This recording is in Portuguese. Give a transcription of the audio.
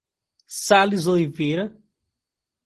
Sales Oliveira